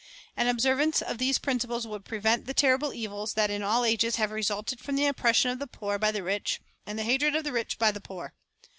An observance of these principles would prevent the terrible evils that in all ages have resulted from the oppression of the poor by the rich and the hatred of the rich by the poor.